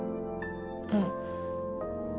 うん。